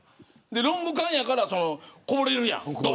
ロング缶やから、こぼれるやん。